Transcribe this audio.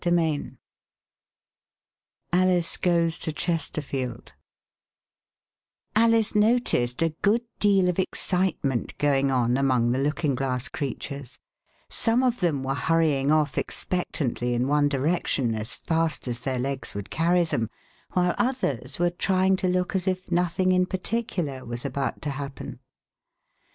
58 ALICE GOES TO CHESTERFIELD Alice noticed a good deal of excitement going on among the Looking Glass creatures : some of them were hurrying off expectantly in one direction, as fast as their legs would carry them, while others were trying to look as if nothing in particular was about to happen.